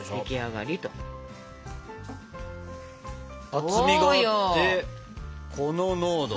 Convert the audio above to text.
厚みがあってこの濃度です。